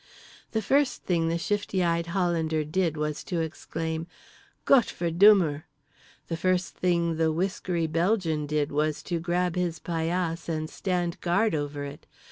The first thing the shifty eyed Hollander did was to exclaim Gottverdummer. The first thing the whiskery Belgian did was to grab his paillasse and stand guard over it.